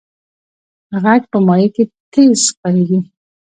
غږ په مایع کې تیز خپرېږي.